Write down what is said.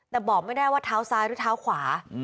แต่บอกไม่ได้ว่าเท้าซ้ายหรือเท้าขวา